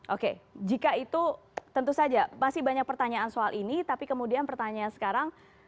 oke jika itu tentu saja masih banyak pertanyaan soal ini tapi kemudian pertanyaan sekarang